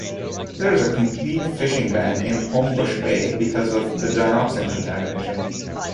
There is a complete fishing ban in Homebush Bay because of the dioxin contamination.